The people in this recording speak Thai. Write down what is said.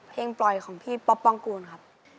ปล่อยของพี่ป๊อปป้องกูลครับ